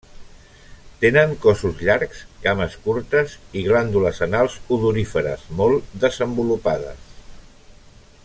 Tenen cossos llargs, cames curtes i glàndules anals odoríferes molt desenvolupades.